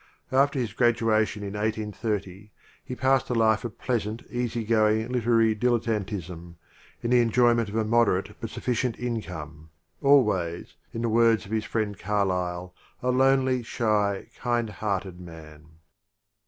After his graduation in 1830 he passed a life of pleasant, easy going literary dilettanteism in the enjoyment of a moderate but sufficient income, — always, in the words of his friend Carlyle, "a lonely, shy, kind hearted man."